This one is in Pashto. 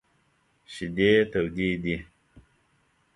شیدې تودې دي !